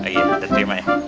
iya diterima ya